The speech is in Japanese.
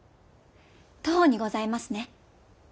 杜甫にございますね。